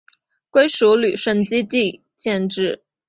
归属旅顺基地建制。